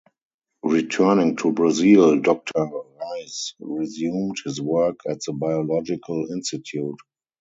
Returning to Brazil, Doctor Reis resumed his work at the Biological Institute.